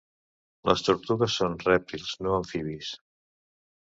Les tortugues són rèptils, no amfibis.